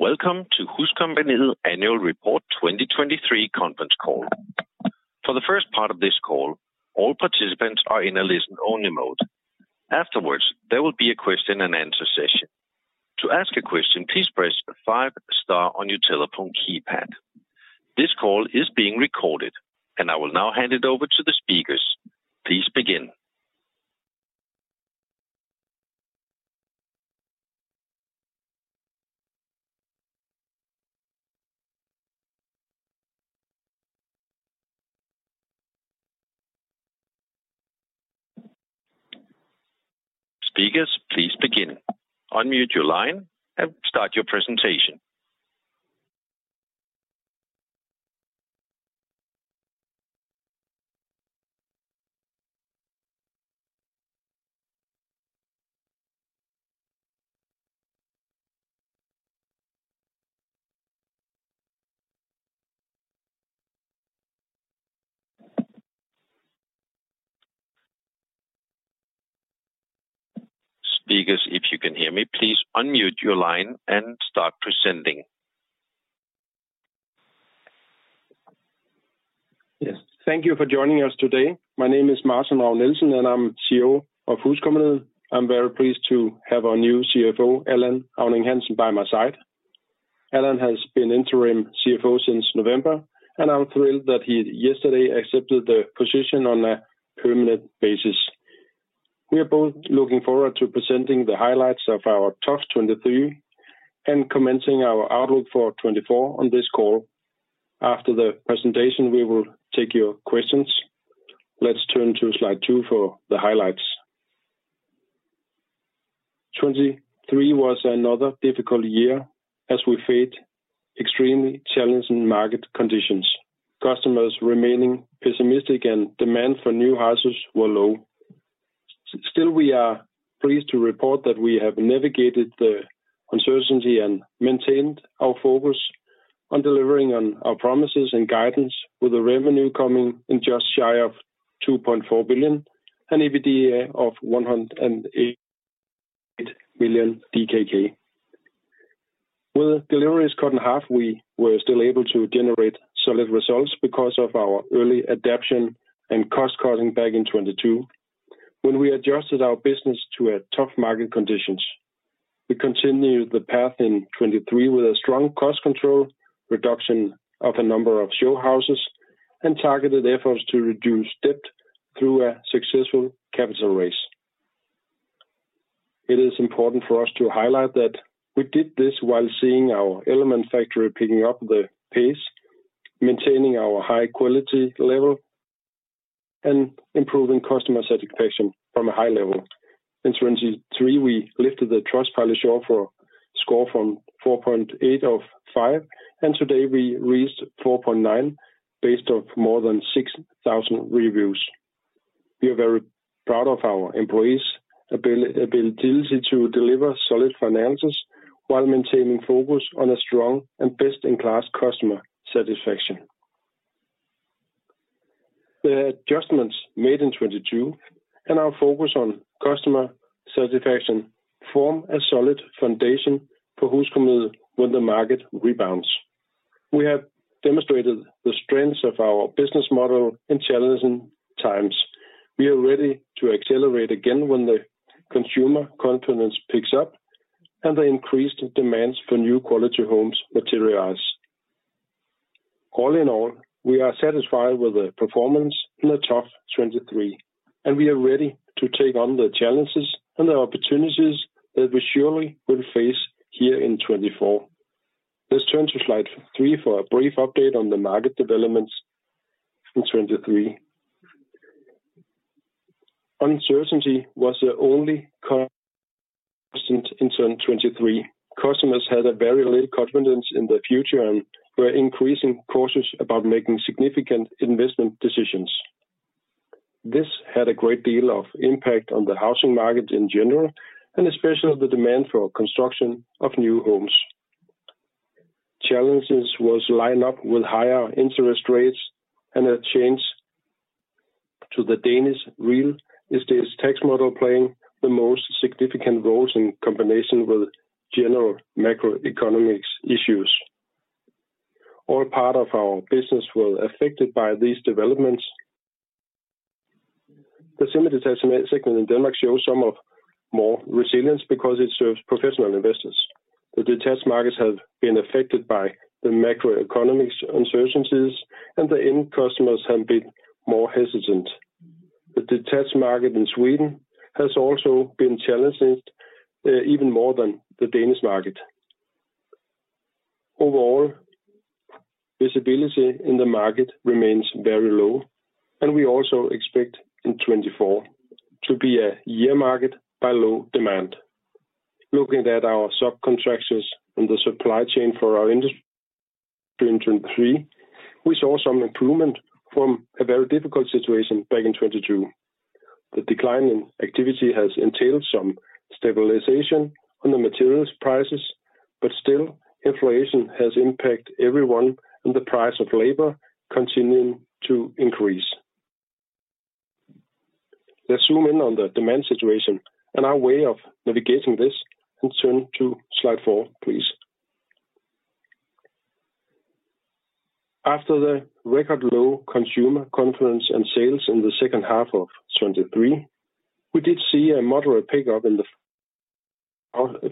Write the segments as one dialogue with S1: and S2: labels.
S1: Welcome to HusCompagniet Annual Report 2023 Conference Call. For the first part of this call, all participants are in a listen-only mode. Afterwards, there will be a question and answer session. To ask a question, please press 5 star on your telephone keypad. This call is being recorded, and I will now hand it over to the speakers. Please begin. Speakers, please begin. Unmute your line and start your presentation. Speakers, if you can hear me, please unmute your line and start presenting.
S2: Yes. Thank you for joining us today. My name is Martin Ravn-Nielsen, and I'm Chief Executive Officer of HusCompagniet. I'm very pleased to have our new Chief Financial Officer, Allan Auning-Hansen, by my side. Allan has been interim Chief Financial Officer since November, and I'm thrilled that he yesterday accepted the position on a permanent basis. We are both looking forward to presenting the highlights of our tough 2023 and commencing our outlook for 2024 on this call. After the presentation, we will take your questions. Let's turn to slide two for the highlights. 2023 was another difficult year as we faced extremely challenging market conditions, customers remaining pessimistic and demand for new houses were low. Still, we are pleased to report that we have navigated the uncertainty and maintained our focus on delivering on our promises and guidance, with a revenue coming in just shy of 2.4 billion and EBITDA of 108 million DKK. With deliveries cut in half, we were still able to generate solid results because of our early adaptation and cost cutting back in 2022, when we adjusted our business to a tough market conditions. We continued the path in 2023 with a strong cost control, reduction of a number of show houses, and targeted efforts to reduce debt through a successful capital raise. It is important for us to highlight that we did this while seeing our element factory picking up the pace, maintaining our high quality level, and improving customer satisfaction from a high level. In 2023, we lifted the Trustpilot score from 4.8 out of 5, and today we reached 4.9, based on more than 6,000 reviews. We are very proud of our employees' ability to deliver solid finances while maintaining focus on a strong and best-in-class customer satisfaction. The adjustments made in 2022 and our focus on customer satisfaction form a solid foundation for HusCompagniet when the market rebounds. We have demonstrated the strengths of our business model in challenging times. We are ready to accelerate again when the consumer confidence picks up and the increased demands for new quality homes materialize. All in all, we are satisfied with the performance in the tough 2023, and we are ready to take on the challenges and the opportunities that we surely will face here in 2024. Let's turn to slide three for a brief update on the market developments in 2023. Uncertainty was the only constant in 2023. Customers had very little confidence in the future and were increasingly cautious about making significant investment decisions. This had a great deal of impact on the housing market in general, and especially the demand for construction of new homes. Challenges were lined up with higher interest rates and a change to the Danish real estate tax model, playing the most significant roles in combination with general macroeconomic issues. All parts of our business were affected by these developments. The segment in Denmark shows some more resilience because it serves professional investors. The detached markets have been affected by the macroeconomic uncertainties, and the end customers have been more hesitant. The detached market in Sweden has also been challenged, even more than the Danish market. Overall, visibility in the market remains very low, and we also expect in 2024 to be a year marked by low demand. Looking at our subcontractors and the supply chain for our industry in 2023, we saw some improvement from a very difficult situation back in 2022. The decline in activity has entailed some stabilization on the materials prices, but still, inflation has impacted everyone, and the price of labor continuing to increase. Let's zoom in on the demand situation and our way of navigating this, and turn to slide four, please. After the record low consumer confidence and sales in the second half of 2023, we did see a moderate pickup in the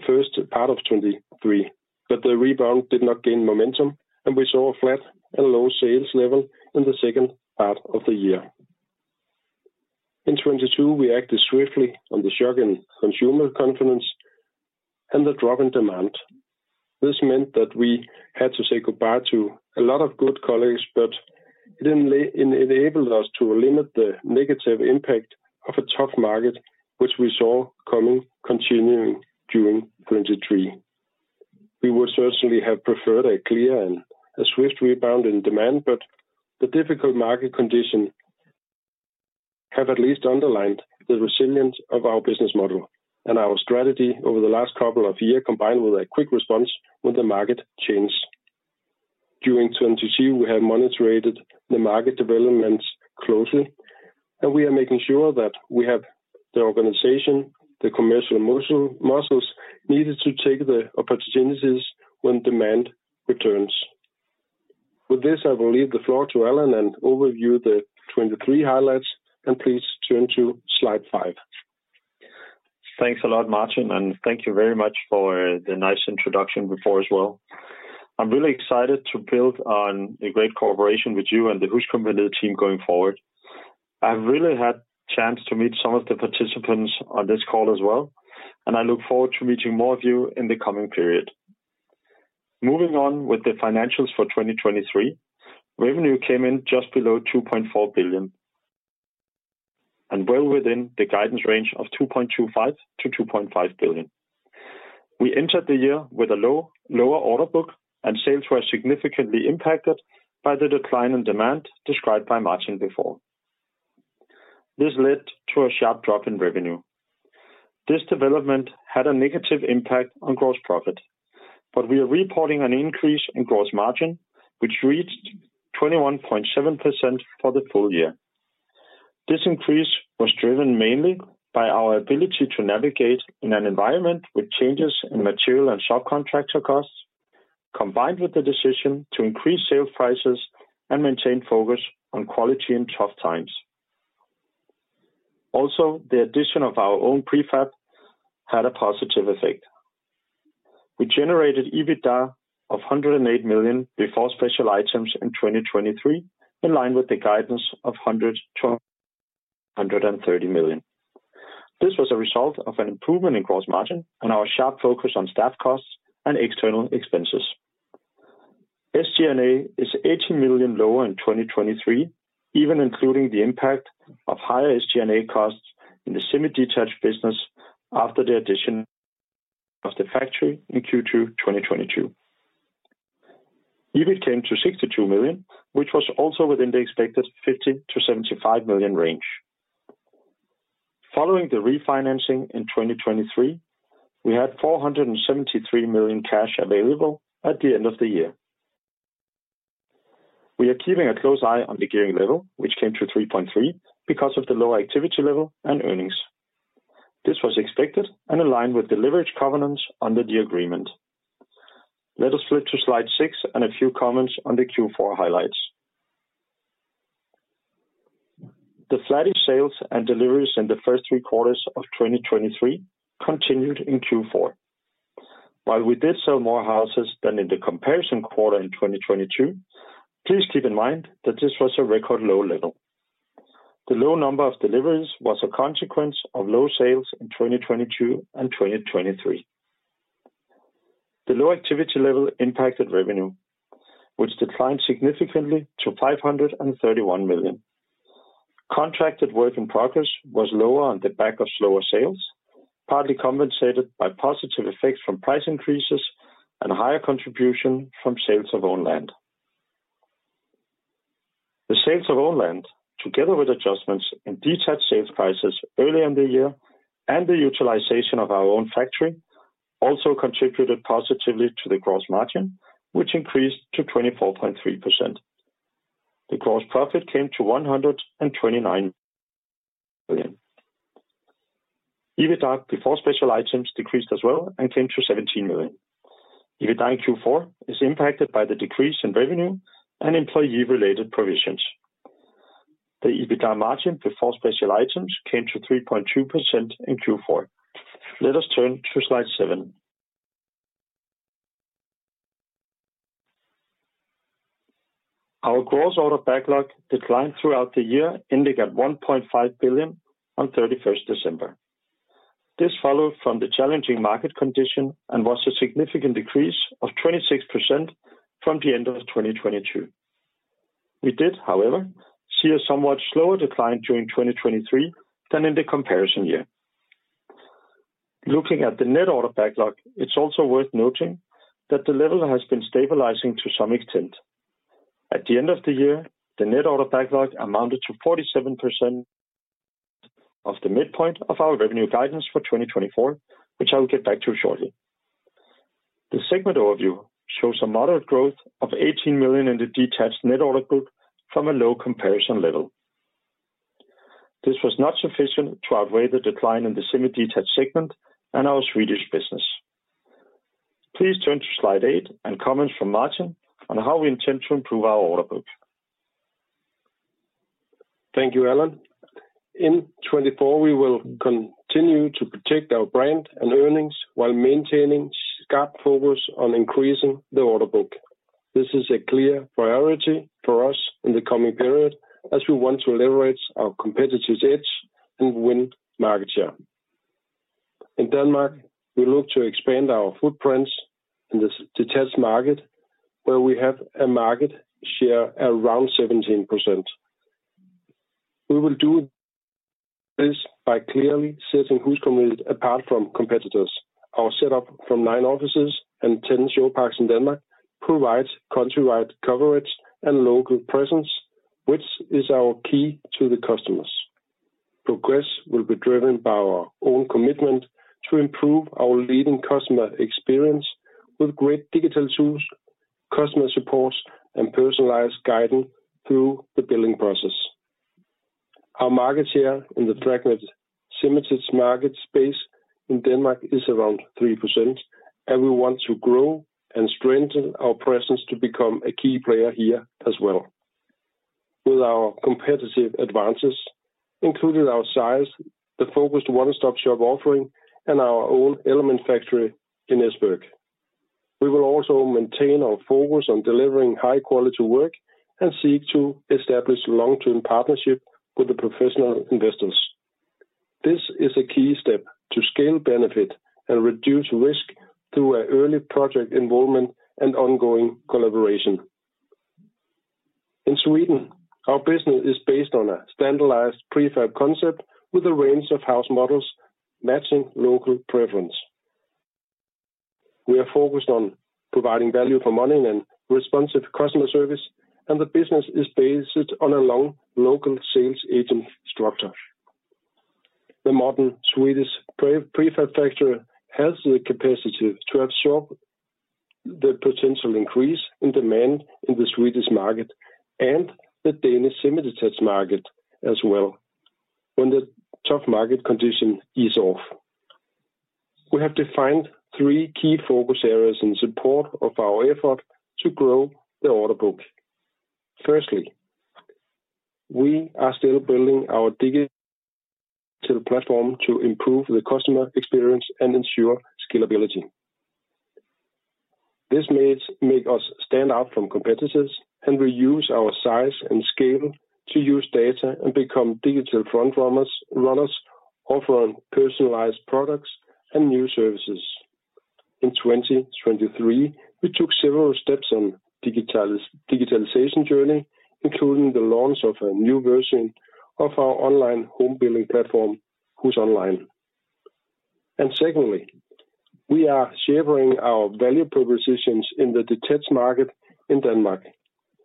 S2: first part of 2024. But the rebound did not gain momentum, and we saw a flat and low sales level in the second part of the year. In 2022, we acted swiftly on the shock in consumer confidence and the drop in demand. This meant that we had to say goodbye to a lot of good colleagues, but it enabled us to limit the negative impact of a tough market, which we saw coming, continuing during 2023. We would certainly have preferred a clear and a swift rebound in demand, but the difficult market condition have at least underlined the resilience of our business model and our strategy over the last couple of years, combined with a quick response when the market changed. During 2022, we have monitored the market developments closely, and we are making sure that we have the organization, the commercial momentum, muscles needed to take the opportunities when demand returns. With this, I will leave the floor to Allan and overview the 2023 highlights, and please turn to slide five.
S3: Thanks a lot, Martin, and thank you very much for the nice introduction before as well. I'm really excited to build on the great cooperation with you and the HusCompagniet team going forward. I've really had chance to meet some of the participants on this call as well, and I look forward to meeting more of you in the coming period. Moving on with the financials for 2023, revenue came in just below 2.4 billion, and well within the guidance range of 2.25 billion-2.5 billion. We entered the year with a low, lower order book, and sales were significantly impacted by the decline in demand described by Martin before. This led to a sharp drop in revenue. This development had a negative impact on gross profit, but we are reporting an increase in gross margin, which reached 21.7% for the full year. This increase was driven mainly by our ability to navigate in an environment with changes in material and subcontractor costs, combined with the decision to increase sale prices and maintain focus on quality in tough times. Also, the addition of our own prefab had a positive effect. We generated EBITDA of 108 million before special items in 2023, in line with the guidance of 100 million-130 million. This was a result of an improvement in gross margin and our sharp focus on staff costs and external expenses. SG&A is 18 million lower in 2023, even including the impact of higher SG&A costs in the semi-detached business after the addition of the factory in Q2 2022. EBIT came to 62 million, which was also within the expected 50-75 million range. Following the refinancing in 2023, we had 473 million cash available at the end of the year. We are keeping a close eye on the gearing level, which came to 3.3, because of the lower activity level and earnings. This was expected and aligned with the leverage covenants under the agreement. Let us flip to slide six and a few comments on the Q4 highlights. The flattish sales and deliveries in the first three quarters of 2023 continued in Q4. While we did sell more houses than in the comparison quarter in 2022, please keep in mind that this was a record low level. The low number of deliveries was a consequence of low sales in 2022 and 2023. The low activity level impacted revenue, which declined significantly to 531 million. Contracted work in progress was lower on the back of slower sales, partly compensated by positive effects from price increases and higher contribution from sales of own land. The sales of own land, together with adjustments in detached sales prices early in the year and the utilization of our own factory, also contributed positively to the gross margin, which increased to 24.3%. The gross profit came to 129 million. EBITDA before special items decreased as well and came to 17 million. EBITDA in Q4 is impacted by the decrease in revenue and employee-related provisions. The EBITDA margin before special items came to 3.2% in Q4. Let us turn to slide seven. Our gross order backlog declined throughout the year, ending at 1.5 billion on December 31. This followed from the challenging market condition and was a significant decrease of 26% from the end of 2022. We did, however, see a somewhat slower decline during 2023 than in the comparison year. Looking at the net order backlog, it's also worth noting that the level has been stabilizing to some extent. At the end of the year, the net order backlog amounted to 47% of the midpoint of our revenue guidance for 2024, which I will get back to shortly. The segment overview shows a moderate growth of 18 million in the detached net order book from a low comparison level. This was not sufficient to outweigh the decline in the semi-detached segment and our Swedish business. Please turn to slide eight and comments from Martin on how we intend to improve our order book.
S2: Thank you, Allan. In 2024, we will continue to protect our brand and earnings while maintaining sharp focus on increasing the order book. This is a clear priority for us in the coming period, as we want to leverage our competitive edge and win market share. In Denmark, we look to expand our footprints in the detached market, where we have a market share around 17%. We will do this by clearly setting HusCompagniet apart from competitors. Our setup from nine offices and 10 show parks in Denmark provides countrywide coverage and local presence, which is our key to the customers. Progress will be driven by our own commitment to improve our leading customer experience with great digital tools, customer support, and personalized guidance through the building process. Our market share in the fragmented semi-detached market space in Denmark is around 3%, and we want to grow and strengthen our presence to become a key player here as well. With our competitive advantages, including our size, the focused one-stop shop offering, and our own element factory in Esbjerg. We will also maintain our focus on delivering high-quality work and seek to establish long-term partnership with the professional investors. This is a key step to scale benefit and reduce risk through an early project involvement and ongoing collaboration. In Sweden, our business is based on a standardized prefab concept with a range of house models matching local preference. We are focused on providing value for money and responsive customer service, and the business is based on a long local sales agent structure. The modern Swedish prefab factory has the capacity to absorb the potential increase in demand in the Swedish market and the Danish semi-detached market as well when the tough market condition is off. We have defined three key focus areas in support of our effort to grow the order book. Firstly, we are still building our digital platform to improve the customer experience and ensure scalability. This makes us stand out from competitors, and we use our size and scale to use data and become digital front runners, offering personalized products and new services. In 2023, we took several steps on digitalization journey, including the launch of a new version of our online home building platform, HusOnline. And secondly, we are shaping our value propositions in the detached market in Denmark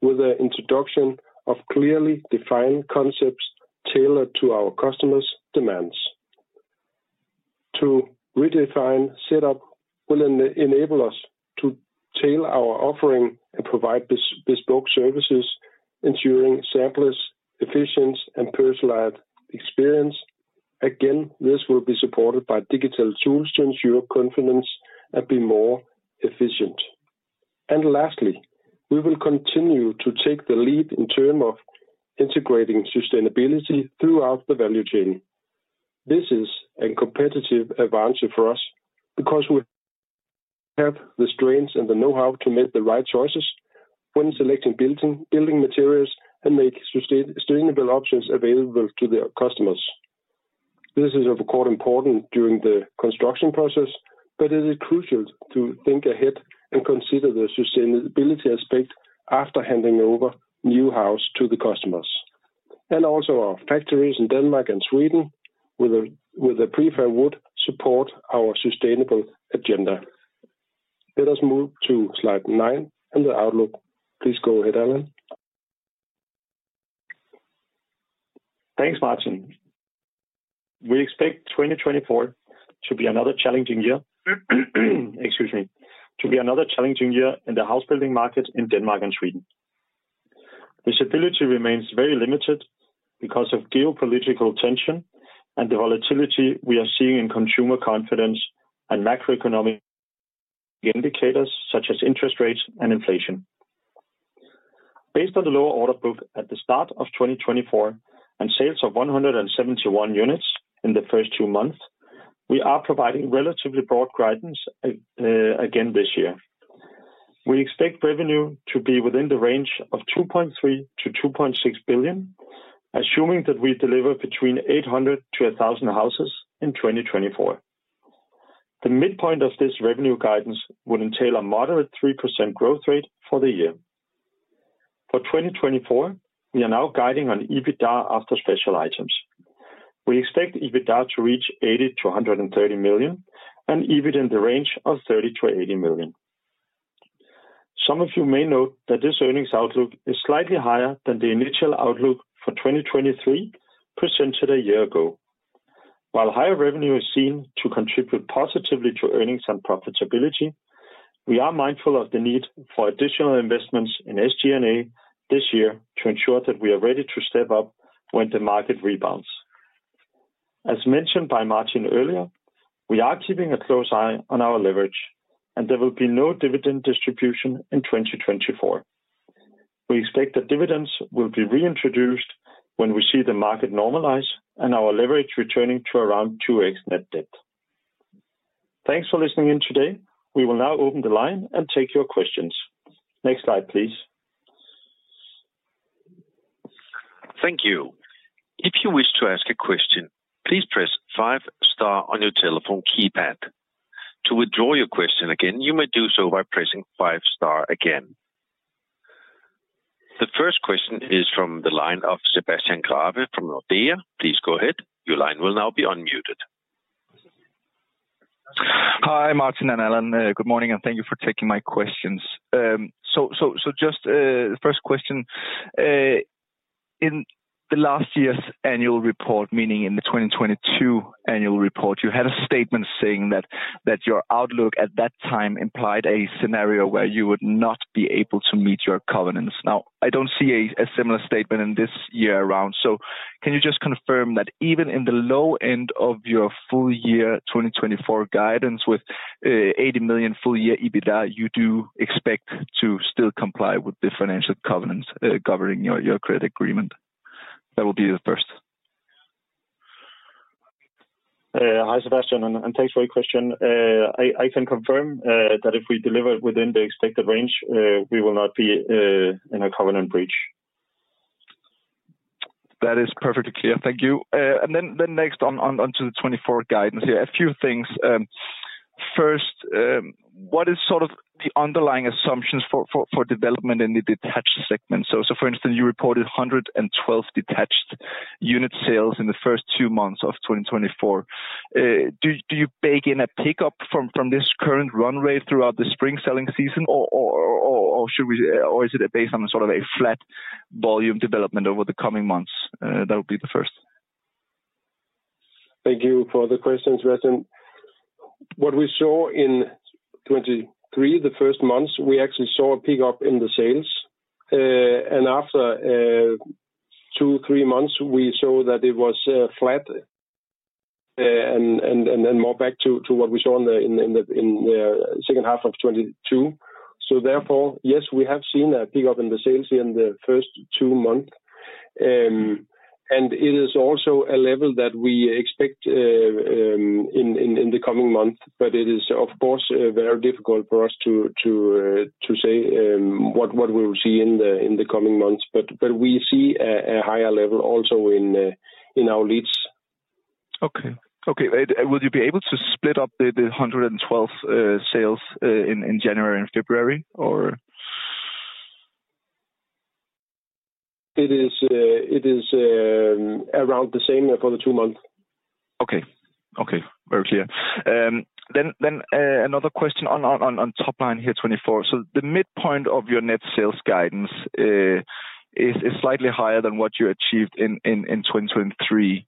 S2: with the introduction of clearly defined concepts tailored to our customers' demands. To redefine setup will enable us to tailor our offering and provide bespoke services, ensuring seamless, efficient, and personalized experience. Again, this will be supported by digital tools to ensure confidence and be more efficient. Lastly, we will continue to take the lead in terms of integrating sustainability throughout the value chain. This is a competitive advantage for us, because we have the strengths and the know-how to make the right choices when selecting building materials and make sustainable options available to their customers. This is of course important during the construction process, but it is crucial to think ahead and consider the sustainability aspect after handing over new house to the customers. Also our factories in Denmark and Sweden with a prefab wood support our sustainable agenda. Let us move to slide nine and the outlook. Please go ahead, Allan.
S3: Thanks, Martin. We expect 2024 to be another challenging year, excuse me, to be another challenging year in the house building market in Denmark and Sweden. Visibility remains very limited because of geopolitical tension and the volatility we are seeing in consumer confidence and macroeconomic indicators, such as interest rates and inflation. Based on the lower order book at the start of 2024 and sales of 171 units in the first two months, we are providing relatively broad guidance, again this year. We expect revenue to be within the range of 2.3 billion-2.6 billion, assuming that we deliver between 800 to 1,000 houses in 2024. The midpoint of this revenue guidance would entail a moderate 3% growth rate for the year. For 2024, we are now guiding on EBITDA after special items. We expect EBITDA to reach 80 million-130 million, and EBIT in the range of 30 million-80 million. Some of you may note that this earnings outlook is slightly higher than the initial outlook for 2023, presented a year ago. While higher revenue is seen to contribute positively to earnings and profitability, we are mindful of the need for additional investments in SG&A this year to ensure that we are ready to step up when the market rebounds. As mentioned by Martin earlier, we are keeping a close eye on our leverage, and there will be no dividend distribution in 2024. We expect that dividends will be reintroduced when we see the market normalize and our leverage returning to around 2x net debt. Thanks for listening in today. We will now open the line and take your questions. Next slide, please.
S1: Thank you. If you wish to ask a question, please press 5 star on your telephone keypad. To withdraw your question again, you may do so by pressing 5 star again. The first question is from the line of Sebastian Grave from Nordea. Please go ahead. Your line will now be unmuted.
S4: Hi, Martin and Allan. Good morning, and thank you for taking my questions. Just the first question, in the last year's annual report, meaning in the 2022 annual report, you had a statement saying that your outlook at that time implied a scenario where you would not be able to meet your covenants. Now, I don't see a similar statement in this year around. So can you just confirm that even in the low end of your full year 2024 guidance with 80 million full year EBITDA, you do expect to still comply with the financial covenants governing your credit agreement? That will be the first.
S3: Hi, Sebastian, and thanks for your question. I can confirm that if we deliver within the expected range, we will not be in a covenant breach.
S4: That is perfectly clear. Thank you. And then next on to the 2024 guidance. Yeah, a few things. First, what is sort of the underlying assumptions for development in the detached segment? So for instance, you reported 112 detached unit sales in the first two months of 2024. Do you bake in a pickup from this current run rate throughout the spring selling season? Or should we, or is it based on sort of a flat volume development over the coming months? That would be the first.
S2: Thank you for the question, Sebastian. What we saw in 2023, the first months, we actually saw a pickup in the sales. And after two, three months, we saw that it was flat, and then more back to what we saw in the second half of 2022. So therefore, yes, we have seen a pickup in the sales in the first two months. And it is also a level that we expect in the coming months. But it is, of course, very difficult for us to say what we will see in the coming months. But we see a higher level also in our leads.
S4: Okay. Okay, and will you be able to split up the 112 sales in January and February, or?
S2: It is around the same for the two months.
S4: Okay. Okay, very clear. Then another question on top line here, 2024. So the midpoint of your net sales guidance is slightly higher than what you achieved in 2023.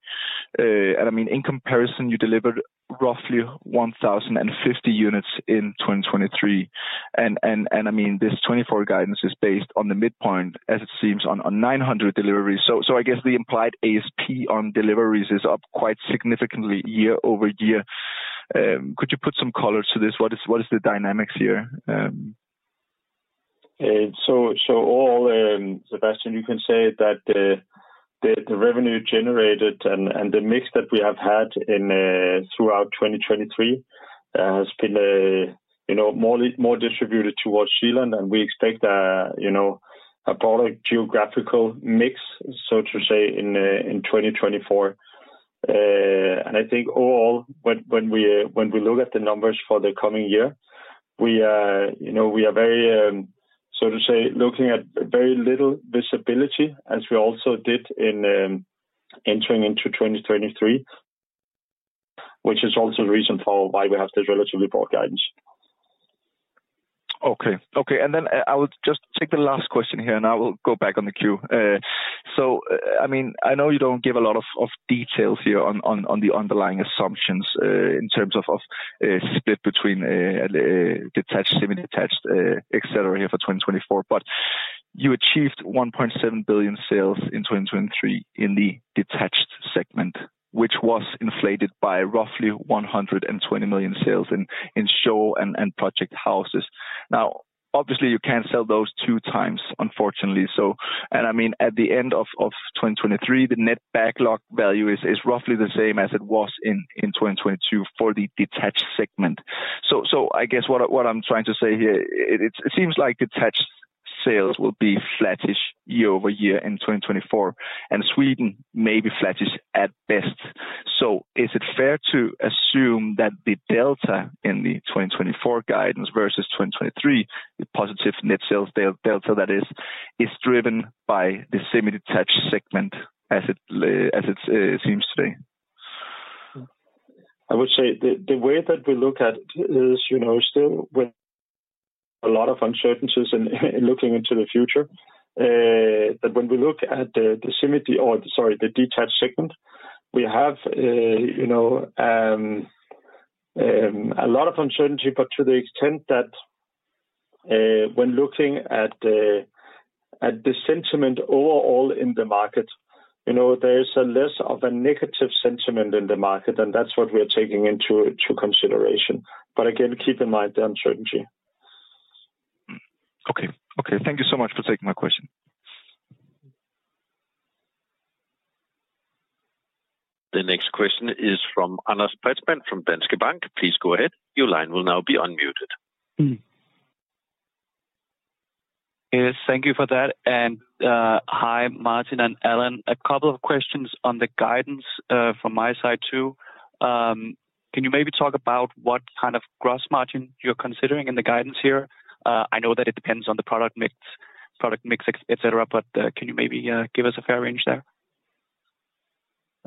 S4: And I mean, in comparison, you delivered roughly 1,050 units in 2023. And I mean, this 2024 guidance is based on the midpoint, as it seems, on 900 deliveries. So I guess the implied ASP on deliveries is up quite significantly year-over-year. Could you put some color to this? What is the dynamics here?
S3: So, Allan, Sebastian, you can say that the revenue generated and the mix that we have had throughout 2023 has been, you know, more distributed towards Zealand, and we expect, you know, a broader geographical mix, so to say, in 2024. And I think, Allan, when we look at the numbers for the coming year, we, you know, we are very, so to say, looking at very little visibility, as we also did entering into 2023, which is also the reason for why we have this relatively broad guidance.
S4: Okay. Okay, and then I would just take the last question here, and I will go back on the queue. So, I mean, I know you don't give a lot of details here on the underlying assumptions in terms of split between detached, semi-detached, et cetera, here for 2024. But you achieved 1.7 billion sales in 2023 in the detached segment, which was inflated by roughly 120 million sales in show and project houses. Now, obviously, you can't sell those two times, unfortunately. So... And I mean, at the end of 2023, the net backlog value is roughly the same as it was in 2022 for the detached segment. So, I guess what I'm trying to say here, it seems like detached sales will be flattish year-over-year in 2024, and Sweden may be flattish at best. So is it fair to assume that the delta in the 2024 guidance versus 2023, the positive net sales delta that is, is driven by the semi-detached segment as it seems today?
S3: I would say the way that we look at it is, you know, a lot of uncertainties in looking into the future. But when we look at the detached segment, we have a lot of uncertainty, but to the extent that when looking at the sentiment overall in the market, you know, there is less of a negative sentiment in the market, and that's what we are taking into consideration. But again, keep in mind the uncertainty.
S4: Okay. Okay, thank you so much for taking my question.
S1: The next question is from Anders Præstmann, from Danske Bank. Please go ahead. Your line will now be unmuted.
S5: Yes, thank you for that, and, hi, Martin and Allan. A couple of questions on the guidance from my side too. Can you maybe talk about what kind of gross margin you're considering in the guidance here? I know that it depends on the product mix, product mix, et cetera, but can you maybe give us a fair range there?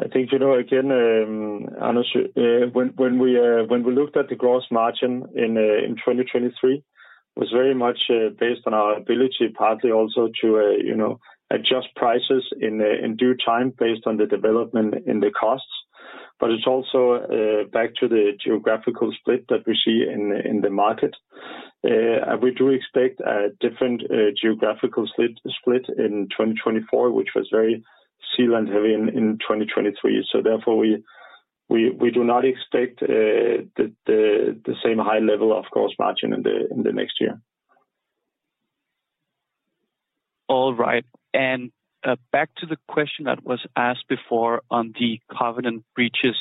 S3: I think, you know, again, Anders, when we looked at the gross margin in 2023, was very much based on our ability, partly also to, you know, adjust prices in due time, based on the development in the costs. But it's also back to the geographical split that we see in the market. And we do expect a different geographical split in 2024, which was very Zealand heavy in 2023. So therefore, we do not expect the same high level of gross margin in the next year.
S5: All right. Back to the question that was asked before on the covenant breaches.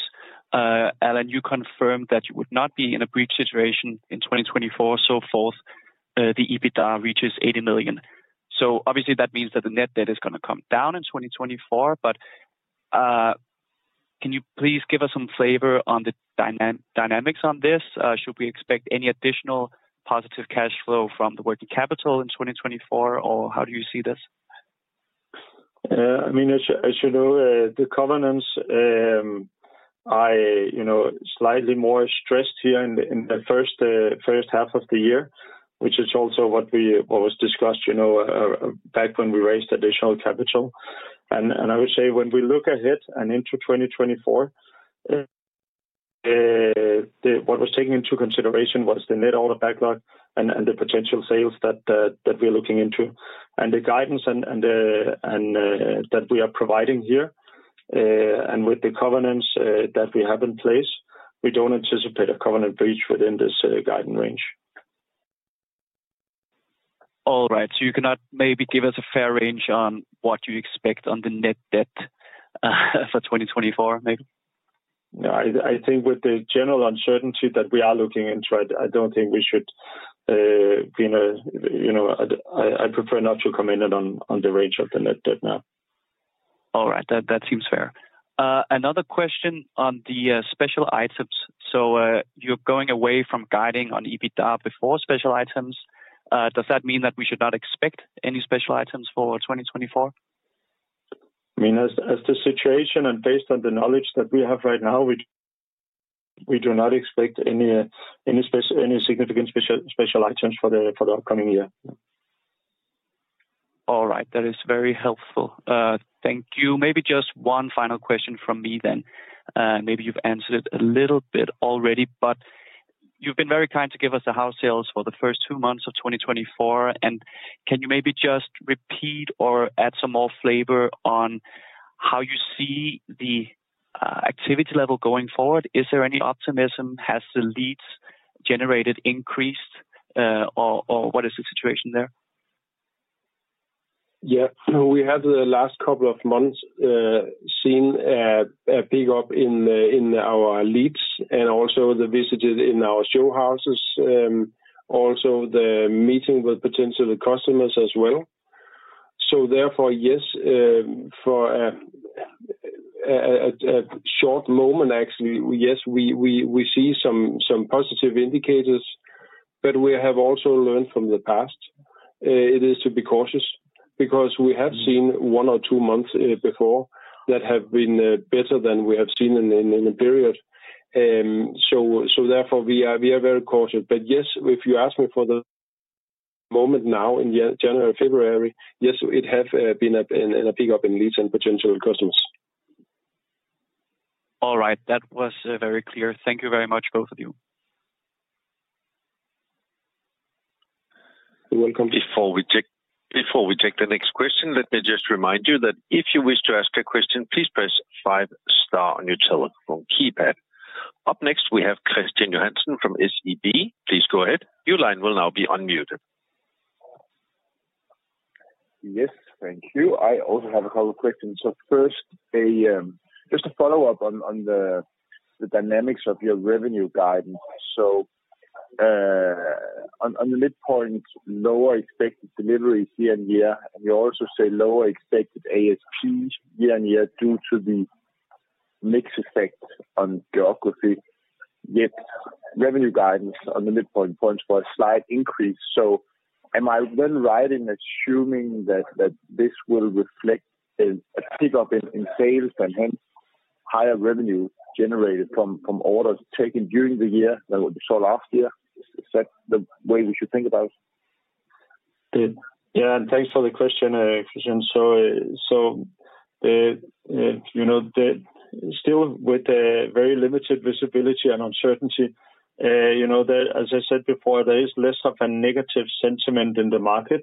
S5: Allan, you confirmed that you would not be in a breach situation in 2024, so forth, the EBITDA reaches 80 million. So obviously, that means that the net debt is gonna come down in 2024, but, can you please give us some flavor on the dynamics on this? Should we expect any additional positive cash flow from the working capital in 2024, or how do you see this?
S2: I mean, as you, as you know, the covenants, I, you know, slightly more stressed here in the, in the first, first half of the year, which is also what we-- what was discussed, you know, back when we raised additional capital. And I would say when we look ahead and into 2024, what was taken into consideration was the net order backlog and the potential sales that, that we're looking into. And the guidance that we are providing here, and with the covenants that we have in place, we don't anticipate a covenant breach within this guidance range.
S5: All right. So you cannot maybe give us a fair range on what you expect on the net debt, for 2024, maybe?
S2: No, I think with the general uncertainty that we are looking into, right, I don't think we should give a, you know, I prefer not to comment on the range of the net debt now.
S5: All right. That, that seems fair. Another question on the special items. So, you're going away from guiding on EBITDA before special items. Does that mean that we should not expect any special items for 2024?
S2: I mean, as the situation and based on the knowledge that we have right now, we do not expect any significant special items for the upcoming year.
S5: All right. That is very helpful. Thank you. Maybe just one final question from me then. Maybe you've answered it a little bit already, but you've been very kind to give us the house sales for the first two months of 2024, and can you maybe just repeat or add some more flavor on how you see the activity level going forward? Is there any optimism? Has the leads generated increased, or what is the situation there?
S3: Yeah. So we had the last couple of months seen a pickup in our leads and also the visitors in our show houses, also the meeting with potential customers as well. So therefore, yes, for a short moment, actually, yes, we see some positive indicators, but we have also learned from the past. It is to be cautious, because we have seen one or two months before that have been better than we have seen in a period. So therefore, we are very cautious. But yes, if you ask me for the moment now in January, February, yes, it has been a pickup in leads and potential customers.
S5: All right. That was very clear. Thank you very much, both of you.
S3: You're welcome.
S1: Before we take the next question, let me just remind you that if you wish to ask a question, please press five star on your telephone keypad. Up next, we have Kristian Johansen from SEB. Please go ahead. Your line will now be unmuted.
S6: Yes, thank you. I also have a couple of questions. So first, just to follow up on the dynamics of your revenue guidance. So, on the midpoint, lower expected deliveries year-on-year, and you also say lower expected ASP year-on-year, due to the mix effect on geography, yet revenue guidance on the midpoint points for a slight increase. So am I then right in assuming that this will reflect a pick up in sales and hence... higher revenue generated from orders taken during the year than what we saw last year. Is that the way we should think about it?
S2: Yeah, and thanks for the question, Kristian. So, you know, there's still with a very limited visibility and uncertainty, you know, there, as I said before, there is less of a negative sentiment in the market.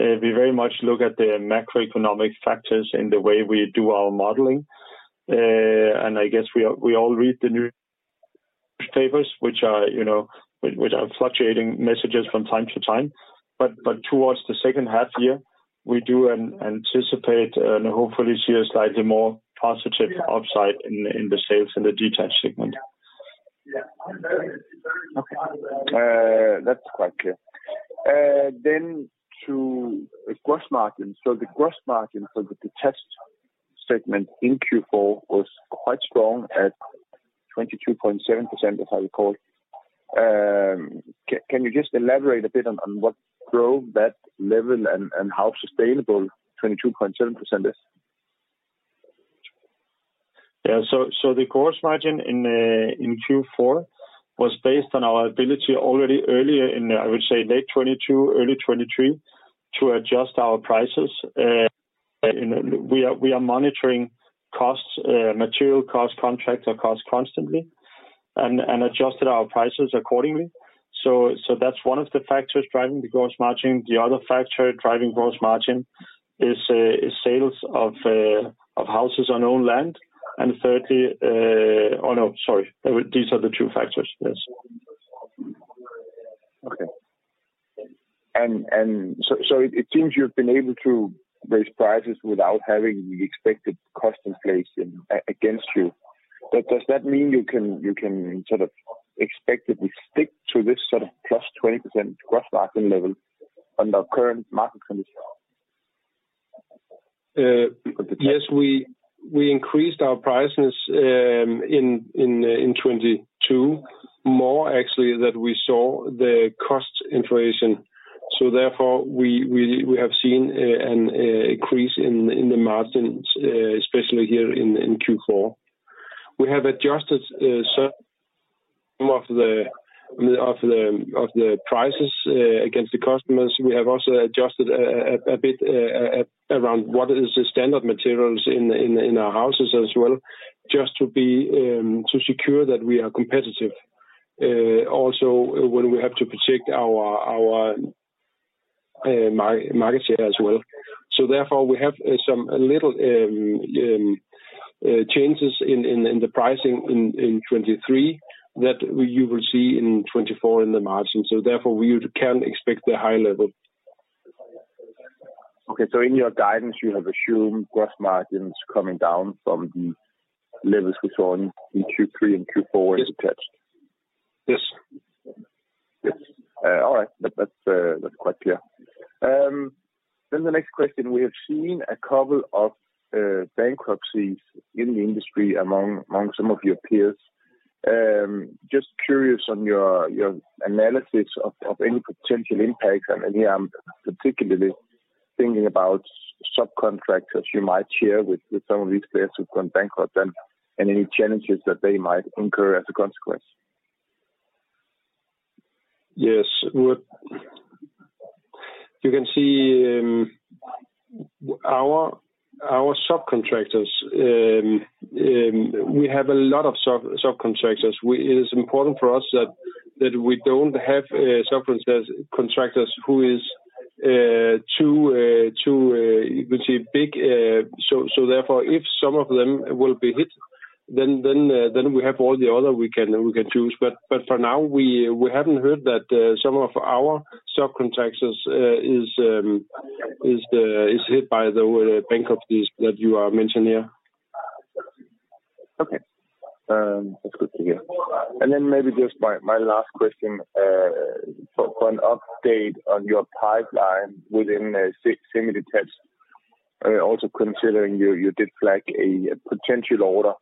S2: We very much look at the macroeconomic factors in the way we do our modeling. And I guess we all read the newspapers, which are, you know, which are fluctuating messages from time to time. But towards the second half year, we do anticipate, and hopefully see a slightly more positive upside in the sales in the detached segment.
S6: Yeah. Okay, that's quite clear. Then to the gross margin. So the gross margin for the detached segment in Q4 was quite strong at 22.7%, is how you called. Can you just elaborate a bit on, on what drove that level and, and how sustainable 22.7% is?
S2: Yeah. So the gross margin in Q4 was based on our ability already earlier in, I would say, late 2022, early 2023, to adjust our prices. And we are monitoring costs, material cost, contractor cost constantly, and adjusted our prices accordingly. So that's one of the factors driving the gross margin. The other factor driving gross margin is sales of houses on owned land, and thirdly... Oh, no, sorry, these are the two factors. Yes.
S6: Okay. So it seems you've been able to raise prices without having the expected cost inflation against you. But does that mean you can sort of expect that we stick to this sort of plus 20% gross margin level under current market conditions?
S2: Yes, we increased our prices in 2022, more actually than we saw the cost inflation. So therefore, we have seen an increase in the margins, especially here in Q4. We have adjusted some of the prices against the customers. We have also adjusted a bit around what is the standard materials in our houses as well, just to be to secure that we are competitive, also when we have to protect our market share as well. So therefore, we have some little changes in the pricing in 2023, that you will see in 2024 in the margin. So therefore, we can expect a high level.
S6: Okay. So in your guidance, you have assumed gross margins coming down from the levels we saw in Q3 and Q4 in detached?
S2: Yes. Yes.
S6: All right. That's quite clear. Then the next question, we have seen a couple of bankruptcies in the industry among some of your peers. Just curious on your analysis of any potential impact, and here I'm particularly thinking about subcontractors you might share with some of these players who've gone bankrupt, and any challenges that they might incur as a consequence.
S2: Yes. Well, you can see our subcontractors. We have a lot of subcontractors. It is important for us that we don't have subcontractors, contractors who is too, you could say, big. So therefore, if some of them will be hit, then we have all the other we can choose. But for now, we haven't heard that some of our subcontractors is hit by the bankruptcies that you are mentioning here.
S6: Okay. That's good to hear. And then maybe just my last question for an update on your pipeline within semi-detached, also considering you did flag a potential order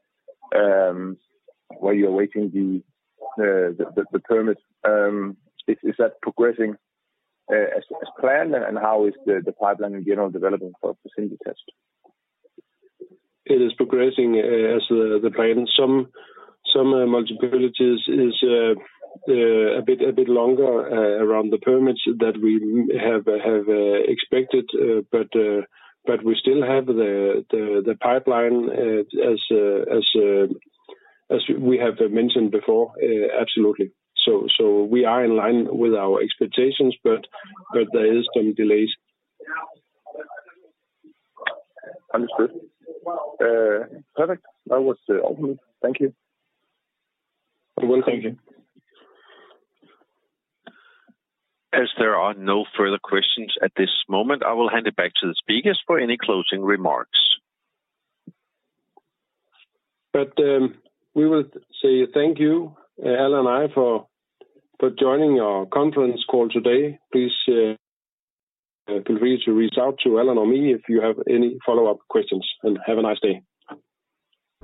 S6: where you're awaiting the permits. Is that progressing as planned? And how is the pipeline in general developing for semi-detached?
S2: It is progressing as the plan. Some municipalities is a bit longer around the permits that we have expected, but we still have the pipeline as we have mentioned before, absolutely. So we are in line with our expectations, but there is some delays.
S6: Understood. Perfect. That was all for me. Thank you.
S2: You're welcome.
S3: Thank you.
S1: As there are no further questions at this moment, I will hand it back to the speakers for any closing remarks.
S2: But, we will say thank you, Allan and I, for joining our conference call today. Please, feel free to reach out to Allan or me if you have any follow-up questions, and have a nice day.